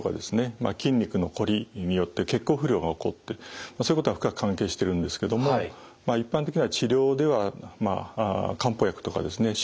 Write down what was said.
筋肉のこりによって血行不良が起こってそういうことが深く関係してるんですけどもまあ一般的な治療では漢方薬とかですね